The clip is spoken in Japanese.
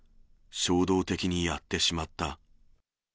衝動的にやってしまった。